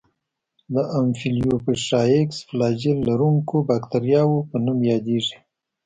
د امفیلوفوټرایکس فلاجیل لرونکو باکتریاوو په نوم یادیږي.